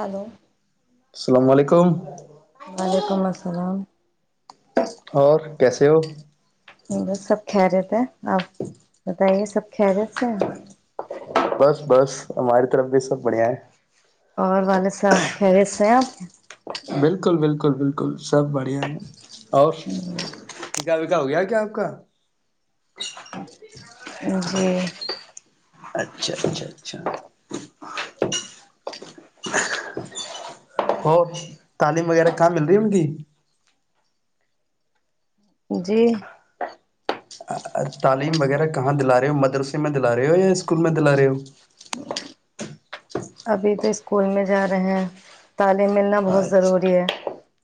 hello [inaudible] اللام علیکم وعلیکم السلام اور کیسے ہو ب سب کھ رہےتے ہیں آپ بتائیے سب کیرت ہیں بس بس ہماری طرف بھی سب بڑھیا ہے اور والد صاحب خریت سے ہیں آپ بالکل بالکل بالکل سب بڑھیا ہے اور ٹکا وکا ہو گیا کیا آپ کا جی اچھا اچھا اچھا ہ ہو تعلیم وغیرہ کہاں مل رہی ہے ان کی جی [unintelligible] تعلیم وغیرہ کہاں دلا رہے ہو مدرسے میں دلا رہے ہو یا اسکول میں دلا رہے ہو ابھی تو اسکول میں جا رہے ہیں تعلیم ملنا بہت اچھا ضروری ہے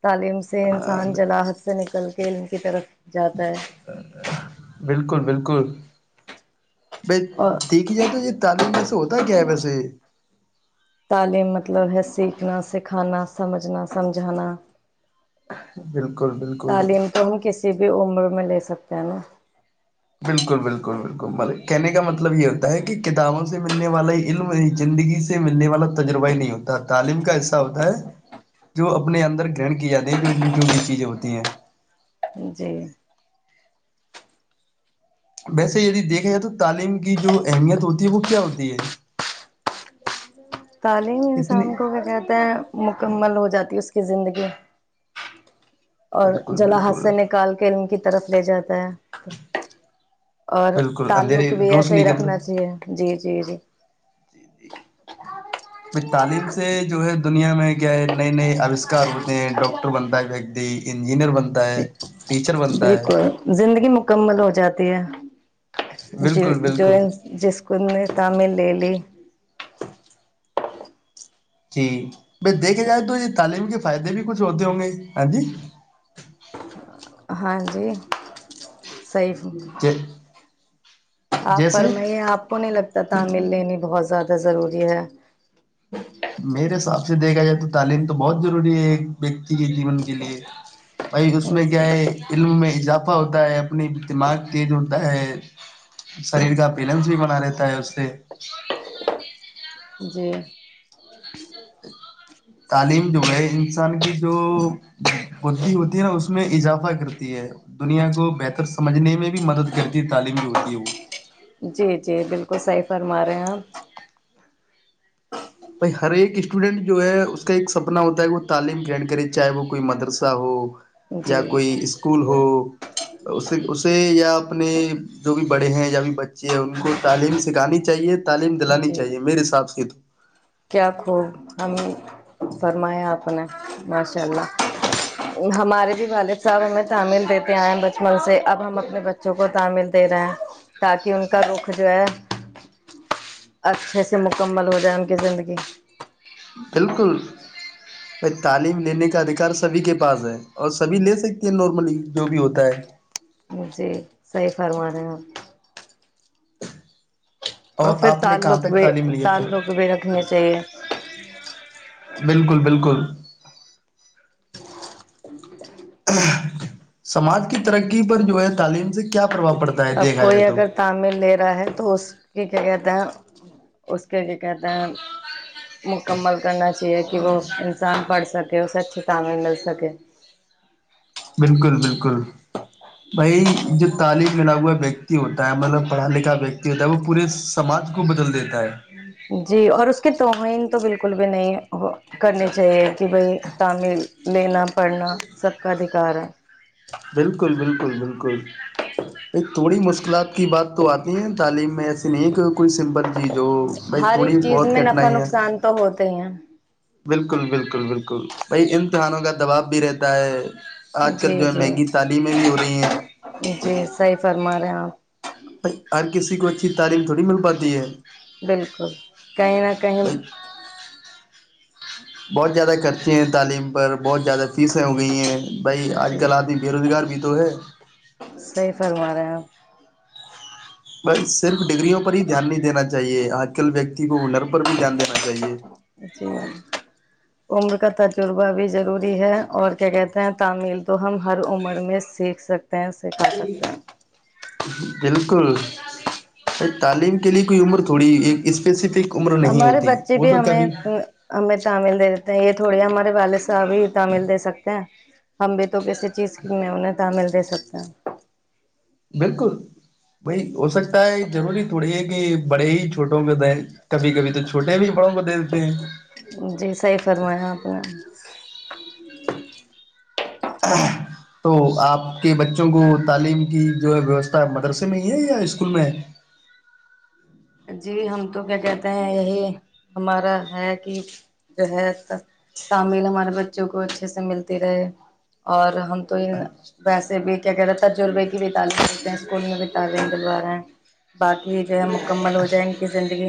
تعلیم سے انسان جلا ح سے نکل کے ان کی طرف جاتا ہے بالکل بالکل بائی اور دیکھی جائے تو یہ تعلیم بس تو ہوتا ہے کیا ہے ویسے تعلیم مطلب ہے سیکھنا سکھانا سمجھنا سمجھانا بالکل بالکل تعلیم تو ہم کسی بھی عمر میں لے سکتے ہیں نا بالکل بالکل بالکل کہنے کا مطلب یہ ہوتا ہے کہ کتابوں سے ملنے والا علم زندگی سے ملنے والا تجربہ ہی نہیں ہوتا تعلیم کا ایسا ہوتا ہے جو اپنے اندر گرن کی جاتی ہے جو جو بھی چیزیں ہوتی ہیں جی ویسے یدی دیکھا جائے تو تعلیم کی جو اہمیت ہوتی ہے وہ کیا ہوتی ہے تعلیم اتنی انسان کو کیا کہتے ہیں مکمل ہو جاتی اس کی زندگی اور بالکل جلاحاد بالکل سے نکال کے ان کی طرف لے جاتا ہے اور بالکل تعلق اندھیری بھی ایسا روشنی ہی کی طرف رکھنا چاہیے جی جی جی بائی تعلیم سے جو ہے دنیا میں کیا ہے نئے نئے آوشکار ہوتے ڈاکٹر بنتا ہے ویکتی انجینئر بنتا ہے جی ٹیچر بنتا ہے بالکل زندگی مکمل ہو جاتی ہے ج بالکل جو بالکل جس ک نے شامل لے لی جی بائی دیکھے جائے تو یہ تعلیم کے فائدے بھی کچھ ہوتے ہوں گے ہاں جی ہاں جی صحیح آپ جیسے فرمائیے آپ کو نہیں لگتا ت تعامل لین بہت زیادہ ضروری ہے میرے حساب سے دیکھا جائے تو تعلیم تو بہت ضروری ہے ایک ویکتی کے جیون کے لیے بھائی اس میں کیا ہے علم میں اضافہ ہوتا ہے اپنی دماغ تیز ہوتا ہے شریر کا بیلنس بھی بنا رہتا ہے اس سے جی تعلیم جو ہے انسان کی جو بدھی ہوتی ہے نا اس میں اضافہ کرتی ہے دنیا کو بہتر سمجھنے میں بھی مدد کرتی ہے تعلیم جو ہوتی ہے وہ جی جی بالکل صحیح فرما رہے ہیں بھائی ہر ایک اسٹوڈینٹ جو ہے اس کا ایک سپنا ہوتا ہے وہ تعلیم گن کرے چاہے وہ کوئی مدرسہ ہو آپ یا جی کوئی اسکول ہو اس اسے یا اپنے جو بھی بڑے ہیں یا بھی بچے ہیں ان کو تعلیم سکھانی چاہیے تعلیم دلانی جی چاہیے میرے حساب سے تو کیا خوب ہم فرمایا آپ نے ماشاء اللہ ہمارے بھی والے سب ہمیں تعمیل دیتے آئئے بچپن سے اب ہم اپنے بچوں کو ملتے رہے تاکہ ان کا رخ جو ہے اچھے سے مکمل ہو جائے کی زندگی بالکل ب تعلیم لینے کا ادھیکار سبھی کے پاس ہے اور سبھی لے سکتی ہیں نارملی جو بھی ہوتا ہے مجھے صحیح فرمانے ہیںپ اور پھر آپ نے کہاں تعلق تک بھی تعلیم لی ہے پھر تعلق بھی رکھنے چاہیے [inaudible] بالکل بالکل سماج کی ترقی پر جو ہے تعلیم سے کیا پربھؤ پڑتا ہے اب دیکھا کوئی جائے تو اگر تعمل لے رہا ہے تو اس کے کیا کہتے ہیں اس کے کیا کہتے ہیں مکمل کرنا چاہیے کہ وہ انسان پڑھ سکے اسے اچھی تعمیر مل سکے بالکل بالکل بھائی جو تعلیم ملا ہوا ویکتی ہوتا ہے مطلب پڑھا لکھا ویکتی ہوتا ہے وہ پورے سماج کو بدل دیتا ہے جی اور اس کی توہین تو بالکل بھی نہیں ہو کرنے چاہیے کہ بھائی تامل لینا پڑھنا سب کا ادھیکار ہے بالکل بالکل بالکل [inaudible] تھوڈی مشکلات کی بات تو آتی ہیں تعلیم میں ایسی نہیں ایک کوئی سمبل ہر ایک چیز میں نفع ہے نقصان تو ہوتے ہیں بالکل بالکل بالکل بائی اتحانوں کا دباؤ بھی رہتا ہے آج کل جی جو ہے جی مہنگی تالیم میں بھی ہو رہی ہیں جی صحیح فرما رہے ہیں آپ ھائی ہر کسی کو اچھی تعلیم تھوڑی مل پاتی ہے بالکل کہیں نہ کہیں بھائی بہت زیادہ خرچے ہیں تعلیم پر بہت زیادہ فیسیں ہو گئی ہیں بائی آج کل جی آمی بے روزگار بھی تو ہےیں صحیح فرما رہے ہیں آپ بائی صرف ڈگری پر ہی دھیان نہیںینا چیے چاہیے آج کل ویکتی کو ہنر پر بھی دھیان دینا چاہیے جی عمر کا تجربہ بھی ضروری ہے اور کیا کہتے ہیں تعمل تو ہم ہر عمر میں سیکھ سکتے ہیں اس سے کا سکتے ہیں بالکل ا تعلیم کے لیے کوئی عمر تھوڑی ایک اسپیسیفک عمر نہیں ہمارے ہوتی بچے وہ بھی تو ہمیں کبھی ہمیں تامل دے یہ تھوڑی ہمارے والد صاحب ہی تعمل دے سکتے ہیں ہم بھی تو کسی چیز کی انہیں تعمل دے سکتے ہیں بالکل بائی ہو سکتا ہے ضروری تھوڑی ہے کہ بڑے ہی چھوٹے کو د کبھی کبھی تو چھوٹے بھی بڑوں کو دے دیتے ہیں ا [unintelligible] تو آپ کے بچوں کو تعلیم کی جو ہے ویوستھا مدرسے میں ہی ہے یا اسکول میں ہے جی ہم تو کیا کہتے ہیں یہی ہمارا ہے کہ جو ہے تمل ہمارے بچوں کو اچھے سے ملتی رہے اور ہم تو ویسے بھی کیا کہہ رہ ہیں تجربے کی بھی تعلیم دیتے ہیں اسکول میں بھی تعلیم دلوا رہے ہیں باقی جو ہے مکمل ہو ج ان کی زندگی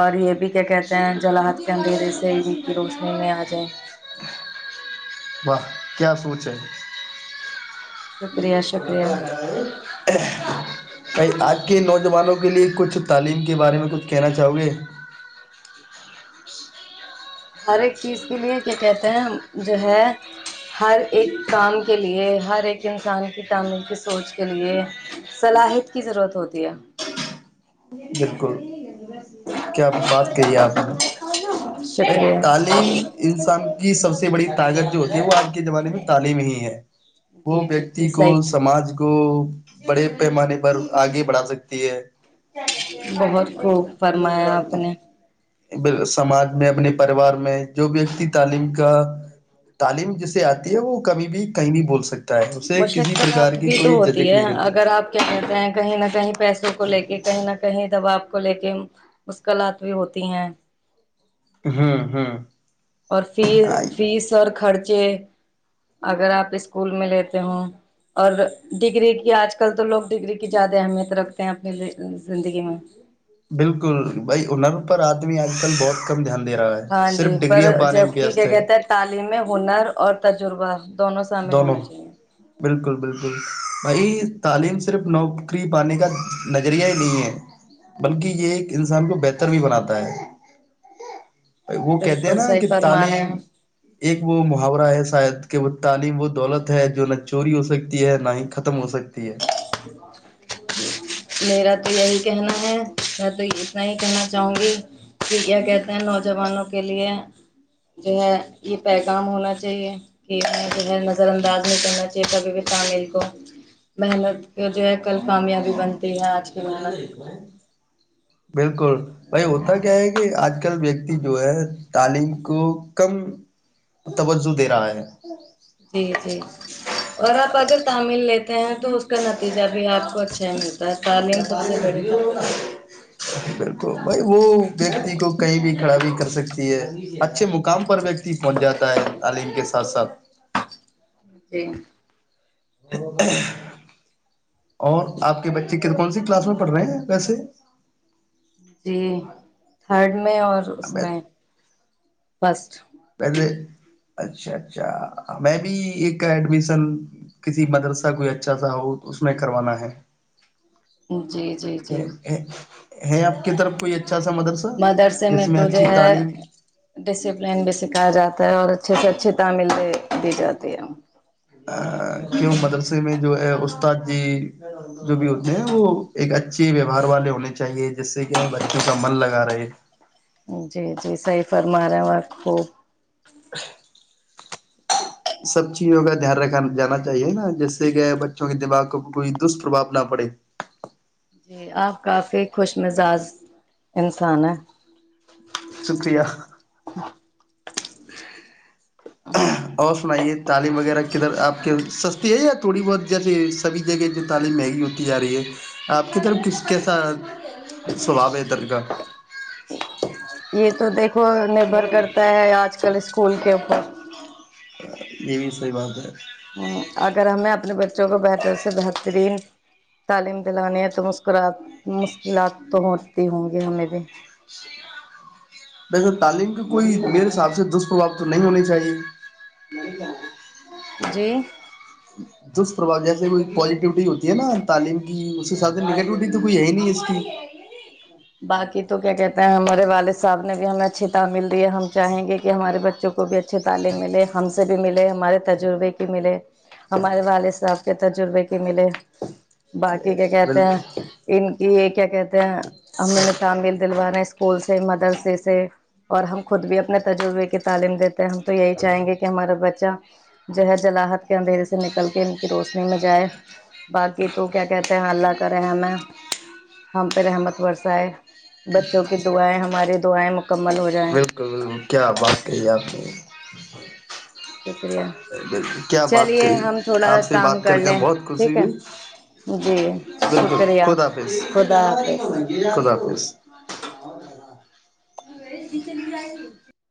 اور یہ بھی کیا کہتے ہیں جلحت کے اندھیرے سے ان کی روشنی میں آ جائیں واہ کیا سوچے شکریہ شکریہ ب آج کے نوجوانوں کو کے لیے کچھ تعلیم کے بارے میں کچھ کہنا چاہو گے ہر ایک چیز کے لئے کیا کہتے ہیں جو ہے ہر ایک کام کے لئے ہر ایک انسان کی تعمیل کی سوچ کے لئے صلاحیت کی ضرورت ہوتی ہے بالکل کیا بات کہی ہے آپ نے ایک شکریہ تعلیم انسان کی سب سے بڑی طاقت جو ہوتی ج وہ آج کے زمانے میں تعلیم ہی ہے وہ جی جی جی ویکتی کو صحیح سماج کو بڑے پیمانے پر آگے بڑھا سکتی ہے بہت خوب فرمایا آپ نے سماج میں اپنے پریوار میں جو ویکتی تعلیم کا تعلیم جسے آتی ہے وہ کبھی بھی کہیں بھی بول سکتے مشقت بھی تو ہوتی ہے نہیں رہتی اگر آپ کیا کہتے ہیں کہیں نہ کہیں پیسوں کو لے کے کہیں نہ کہیں دبااب کو لے کے مشکلات بھی ہوتی ہیں ہاں ہاں اور فی فیس اور خرچ ب اگر آپ اسکول میں لیتے ہ اور ڈگری کی آج کل تو لوگ ڈگری کی زیادہ اہمیت رکھتے ہیں اپنی زندگی میں بالکل بائی اننر پر آدمی آج کل بہت کم دھیان دے رہا ہے ہاں جی صرف پر ڈگریاں پانے جبک میں کیا وست کہتا ہے تعلیم میں ہنر اور تجربہ دونوں شامل دونوں ہونے چاہیے بالکل بالکل بائی تعلیم صرف نوکری پانے کا نظریہ ہی نہیں ہے بلکہ یہ ایک انسان کو بہتر بھی بناتا ہے وہ کہتے ہیں بالکل نا صحیح کہ فرما رہے ہیں تعلیم ایک وہ محاورہ ہے شاید کے و تعلیم وہ دولت ہے جو نہ چوری ہو سکتی ہے نہ ہی ختم ہو سکتی ہے میرا تو یہی کہنا ہے میں تو اتنا ہی کہنا چاہوں گی کہ کیا کہتے ہیں نوجوانوں کے لیے جو ہے یہ پیغام ہونا چاہیے کہ جو ہے نظر انداز نہیں کرنا چاہیے سبھی کے تعمیر کو محنت جو ہے کل کامیابی بنتی ہے آج کی محنت بالکل بھائی ہوتا کیا ہے کہ آج کل ویکتی جو ہے تعلیم کو کم توجہ دے رہا ہے جی جی اور آپ اگر تامل لیتے تو اس کا نتیجہ بھی آپ کو اچھا ہے ملتا ہے تعلیم سب سے بڑی طاقت ہوتی ہے بالکل بھائی وہ ویکتی کو کہیں بھی کھڑا بھی کر سکتی ہے [unintelligible] اچھے مقام پر ویکتی پہنچ جاتا ہے تعلیم کے ساتھ ساتھ جھ [unintelligible] اور آپ کے بچے کون سی کلاس میں پڑھ رہے ہیں ویسے جی تھرڈ میں اور اس میں [unintelligible] فسٹ [unintelligible] پہلے اچھا اچھا میں بھی ایک ایڈمیشن کسی مدرسہ کوئی اچھا سا ہو اس میں کروانا ہے ہاں [inaudible] جی جی جی ہے آپ کی طرف کوئی اچا مدرسے میں تو جو ہے تعلیم ڈسپلین بھی سکھایا جاتا اور اچھے سے اچھی تعمیل د دی جاتی ہے کیوں مدرسے میں جو ہے استاد جی جو بھی ہوتے ہیں وہ ایک اچھے ویوہار والے ہونے چاہیے جس سے کہ بچوں کو کا من لگا رہے جی جی صی فرما رہا ہ خوب [inaudible] سب چیزوں کا دھیان رکھا جانا چاہیے نا جس سے کہ بچوں کے دماغ کو کوئی دشپرھاؤ نہ پڑے جی آپ کافی خوش مزاج انسان ہیں شکریہ اور سنائیے تعلیم وغیرہ کدھر آپ کے سستی ہے یا تھوڑی بہت جیسی سبھی جگہ جو تعلیم مہنگی ہوتی جا رہی ہے آپ کی طرف کھ کیسا سبھاؤ ہے ادھر کا یہ تو دیکھ نبر کرتا ہے آج کل اسکول کے اوپر یہ بھی صحیح بات ہے ہ اگر ہمیں اپنے بچوں کو بہتر سے بہترین تعلیم دلانے ہے تو مسکرات مشکلات تو ہوتی ہوں گی ہمیں بھی لگر تعلیم کے کوئی میرے حساب سے دشپربھو تو نہیں ہونے چاہیے جی دشپرھؤ جیسے کوئی پازیٹیوٹی ہوتی ہے نا تعلیم کی اس تود ہاں جی نگیٹوٹی تو ہاں جی کوئی ہے ہی نہیں ہے اس کی ا نہیں باقی تو کیا کہتے ہیں ہمارے والد صاحب نے بھی ہمیں اچھی تعمیل دی ہے ہم چاہیں گے کہ ہمارے بچوں کو بھی اچھی تعلیم ملے ہم سے بھی ملے ہمارے تجربے کی ملے ہمارے والد صاحب کے تجربے کی ملے باقی کیا کہتے بالکل ہیں ان کی یہ کیا کہتے تو [unintelligible] امی نے تعمیل دلوانا اس اسکول سے مدرسے سے اور ہم خود بھی اپنے تجربے کی تعلیم دیتے ہیں ہم تو یہی چاہیں گے کہ ہمارا بچہ جو ہے جلحت کے اندھیرے سے نکل کے ان کی روشنی میں جائے باقی تو کیا کہتے ہیں اللہ کا رحم ہے ہم پہ رحمت برس بچوں کی دعائیں ہماری دعائیں مکمل ہو جائیں بالکل بالکل کیا بات کہی ہے آپ نے [inaudible] شکریہ کیا بات چلیے کہی ہم تھوڑا آپ سے کام بات کر کر لیں بہت خوشی ٹھیک ہے ہوئی جی بالکل شکریہ خدا حافظ خدا حافظ خدا حافظ جسائے [unintelligible]